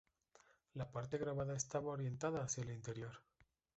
La parte grabada estaba orientada hacia el interior.